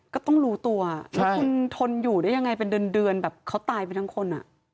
ก็ต้องรู้ตัวว่าคุณทนอยู่ได้ยังไงเป็นเดือนแบบเขาตายไปทั้งคน